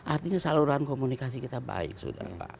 artinya saluran komunikasi kita baik sudah pak